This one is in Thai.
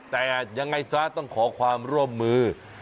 แต่ยังไงซะต้องขอความร่วมมือ